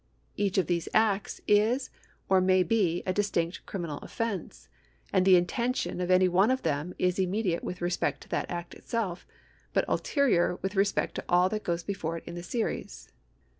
Each of these acts is or ma}^ be a distinct criminal offence, and the intention of any one of them is immediate with respect to that act itself, but ulterior with respect to all that go before it in the series.